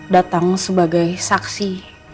datang sebagai saksi